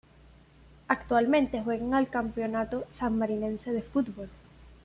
Actualmente juega en el Campeonato Sanmarinense de Fútbol.